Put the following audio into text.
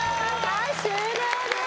はい終了です